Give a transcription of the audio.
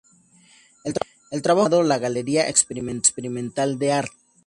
El trabajo fue llamado la Galería Experimental de Arte.